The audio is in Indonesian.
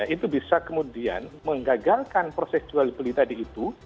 itu bisa kemudian menggagalkan proses jual beli tadi itu